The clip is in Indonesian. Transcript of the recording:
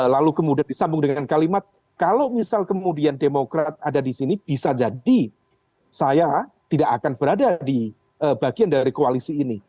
lalu kemudian disambung dengan kalimat kalau misal kemudian demokrat ada di sini bisa jadi saya tidak akan berada di bagian dari koalisi ini